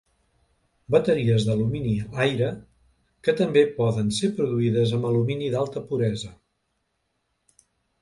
Bateries d'alumini-aire que també poden ser produïdes amb alumini d'alta puresa.